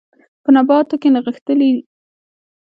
په نباتو کې نغښتلي